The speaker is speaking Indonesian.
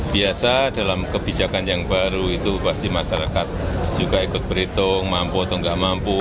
biasa dalam kebijakan yang baru itu pasti masyarakat juga ikut berhitung mampu atau nggak mampu